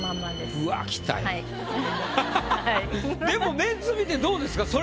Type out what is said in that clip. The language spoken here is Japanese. でもメンツ見てどうですか？